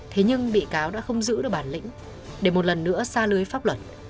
thế nhưng bị cáo đã không giữ được bản lĩnh để một lần nữa xa lưới pháp luật